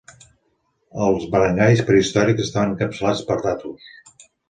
Els barangais prehistòrics estaven encapçalats per datus.